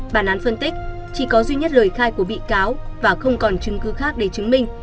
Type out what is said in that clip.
bản án phân tích chỉ có duy nhất lời khai của bị cáo và không còn chứng cư khác để chứng minh